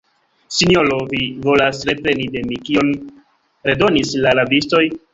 sinjoro, vi volas repreni de mi, kion redonis la rabistoj?